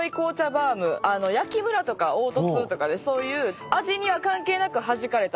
焼きむらとか凹凸とかそういう味には関係なくはじかれた物。